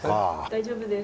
大丈夫です。